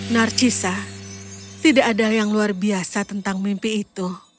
narcisa tidak ada yang luar biasa tentang mimpi itu